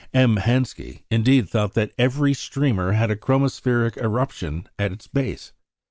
M. Hansky, indeed, thought that every streamer had a chromospheric eruption at its base.